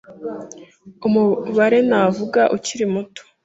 umubare navuga ukiri muto